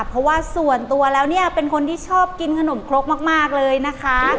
เพราะว่าส่วนตัวแล้วเนี่ยเป็นคนที่ชอบกินขนมครกมากเลยนะคะ